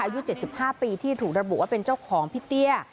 อายุ๗๕ปีที่ถูกระบุว่าเป็นเจ้าของพี่เตี้ย